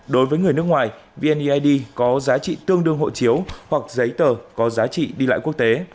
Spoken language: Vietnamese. đối với người nước ngoài vneid có giá trị tương đương hộ chiếu hoặc giấy tờ có giá trị đi lại quốc tế